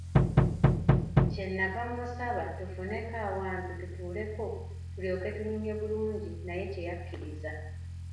Kye nava mmusaba tufuneko awantu tutuuleko tulyoke tunyumye bulungi naye kye yakkiriza.